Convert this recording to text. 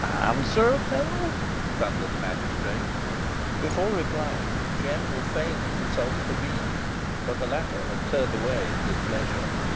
"Answer, fellow," thundered the magistrate. Before replying, Jem would fain have consulted the reeve, but the latter had turned away in displeasure.